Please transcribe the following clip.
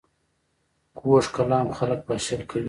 کوږ کلام خلک پاشل کوي